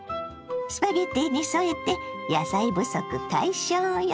スパゲッティに添えて野菜不足解消よ。